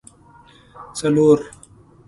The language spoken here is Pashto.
څلور